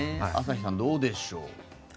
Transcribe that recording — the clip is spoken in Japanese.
朝日さん、どうでしょう。